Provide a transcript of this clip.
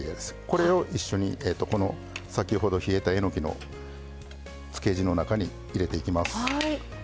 これを一緒に先ほど冷えたえのきのつけ汁の中に入れていきます。